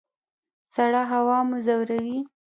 سړه هوا مو ځوروي؟